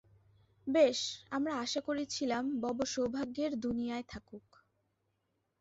বেশ, আমরা আশা করছিলাম বব সৌভাগ্যের দুনিয়ায় থাকুক।